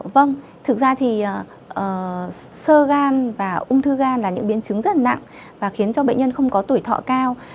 vâng thực ra thì sơ gan và ung thư gan là những biến chứng rất nặng và khiến cho bệnh nhân không có tuổi thọ cao